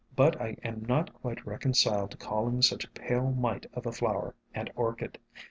But I am not quite reconciled to calling such a pale mite of a flower an Orchid.